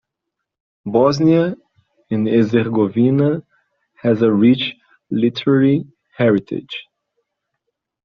Bosnia and Herzegovina has a rich literary heritage.